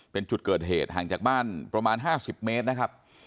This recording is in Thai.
เป็นจุดเกิดเหตุห่างจากบ้านประมาณ๕๐เมตรนะครับ